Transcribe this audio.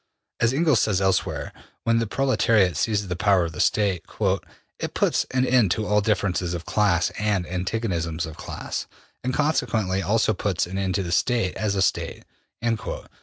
As Engels says elsewhere, when the proletariat seizes the power of the State ``it puts an end to all differences of class and antagonisms of class, and consequently also puts an end to the State as a State.''